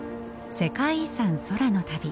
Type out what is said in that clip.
「世界遺産空の旅」。